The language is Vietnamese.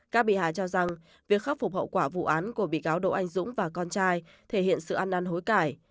các bị hại cho rằng việc khắc phục hậu quả vụ án của bị cáo độ anh dũng và con trai thể hiện sự ăn năn hối cải